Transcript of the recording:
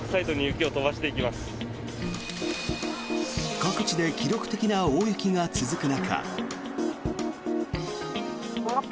各地で記録的な大雪が続く中。